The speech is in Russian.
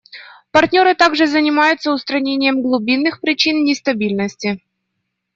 Партнеры также занимаются устранением глубинных причин нестабильности.